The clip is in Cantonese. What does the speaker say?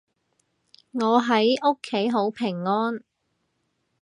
我喺屋企好平安